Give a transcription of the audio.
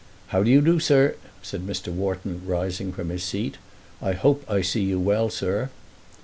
"How do you do, sir?" said Mr. Wharton rising from his seat. "I hope I see you well, sir."